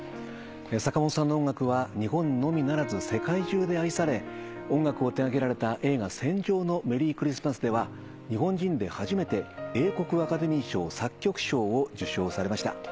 坂本さんの音楽は日本のみならず世界中で愛され音楽を手掛けられた映画『戦場のメリークリスマス』では日本人で初めて英国アカデミー賞作曲賞を受賞されました。